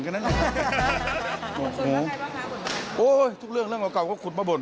โอ้ยทุกเรื่องเรื่องเก่าก็ขุดมาบ่น